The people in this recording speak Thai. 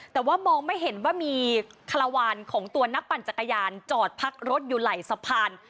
แต่ว่ามองไม่เห็นว่ามีคาราวานของตัวนักปั่นจักรยานจอดพักรถอยู่ไหลสะพาน